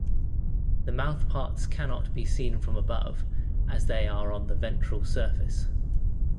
The mouthparts cannot be seen from above as they are on the ventral surface.